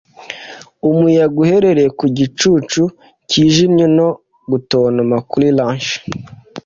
umuyaga, uhereye ku gicucu kijimye no gutontoma kuri latch,